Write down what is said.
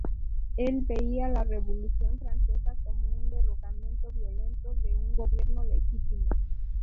Él veía la Revolución francesa como un derrocamiento violento de un gobierno legítimo.